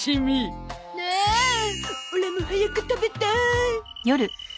あオラも早く食べたい。